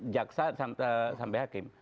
jaksa sampai hakim